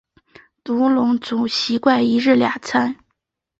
独龙族习惯一日两餐。